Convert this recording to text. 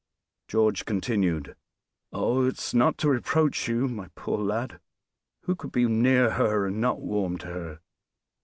George continued: "Oh, it is not to reproach you, my poor lad. Who could be near her, and not warm to her?